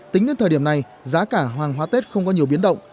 thời điểm này giá cả hàng hóa tết không có nhiều biến động